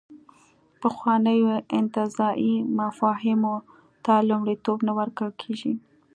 پخوانیو انتزاعي مفاهیمو ته لومړیتوب نه ورکول کېږي.